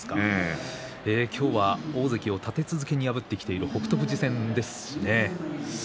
今日は大関を立て続けに破ってきている北勝富士戦です。